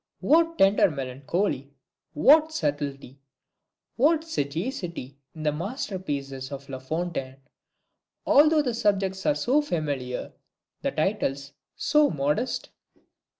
What tender melancholy, what subtlety, what sagacity in the master pieces of La Fontaine, although the subjects are so familiar, the titles so modest?